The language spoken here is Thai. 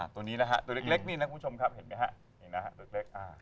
ตัวนี้นะฮะตัวเล็กนี่นะคุณผู้ชมครับเห็นไหมฮะ